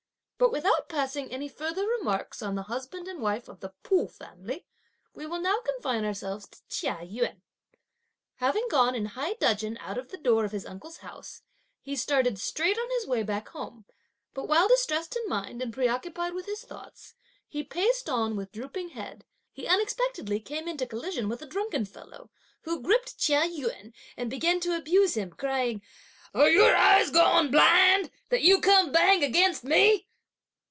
But without passing any further remarks on the husband and wife of the Pu family, we will now confine ourselves to Chia Yün. Having gone in high dudgeon out of the door of his uncle's house, he started straight on his way back home; but while distressed in mind, and preoccupied with his thoughts, he paced on with drooping head, he unexpectedly came into collision with a drunken fellow, who gripped Chia Yün, and began to abuse him, crying: "Are your eyes gone blind, that you come bang against me?"